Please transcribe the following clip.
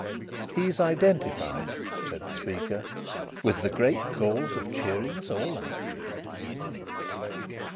"He's identified," said the speaker, "with the great cause of cheering us all up."